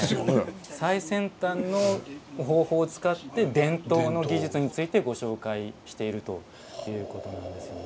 最先端の方法を使って伝統の技術についてご紹介しているということなんですよね。